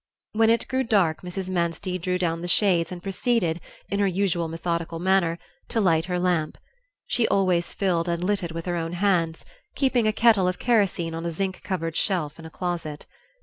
When it grew dark Mrs. Manstey drew down the shades and proceeded, in her usual methodical manner, to light her lamp. She always filled and lit it with her own hands, keeping a kettle of kerosene on a zinc covered shelf in a closet.